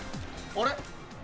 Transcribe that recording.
あれ？